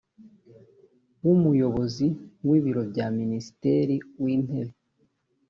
w umuyobozi w ibiro bya minisitiri w intebe